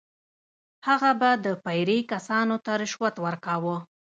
هغه به د پیرې کسانو ته رشوت ورکاوه.